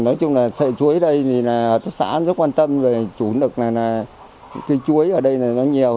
nói chung là sợi chuối đây thì là hợp tác xã rất quan tâm rồi chủ lực là cây chuối ở đây là nó nhiều